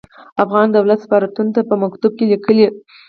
افغان دولت سفارتونو ته په مکتوب کې ليکلي.